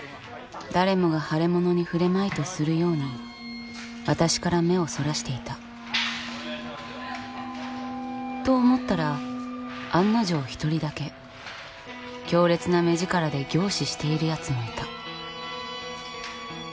誰もが腫れ物に触れまいとするように私から目をそらしていた。と思ったら案の定１人だけ強烈な目力で凝視しているやつもいた。